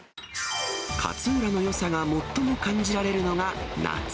勝浦のよさが最も感じられるのが夏。